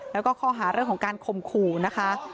แล้วก็ข้อหาเรื่องของการคมขู่นะคะ